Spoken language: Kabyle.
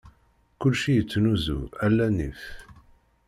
Kulci ittnuzu ala nnif.